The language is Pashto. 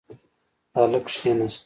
هلک کښېناست.